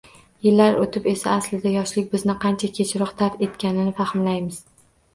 Yillar o’tib esa aslida yoshlik bizni ancha kechroq tark etganini fahmlaymiz.